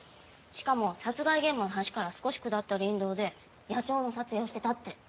しかも殺害現場の橋から少し下った林道で野鳥の撮影をしてたって。